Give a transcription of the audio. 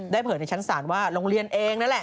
ได้เผลอในชั้นสารว่าโรงเรียนเองนะละ